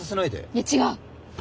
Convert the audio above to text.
いや違う。